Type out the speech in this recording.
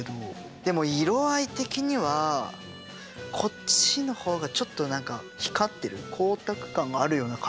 でも色合い的にはこっちの方がちょっと何か光ってる光沢感があるような感じ？